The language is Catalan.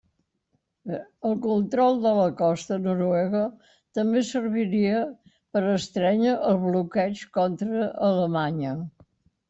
El control de la costa noruega també serviria per estrènyer el bloqueig contra Alemanya.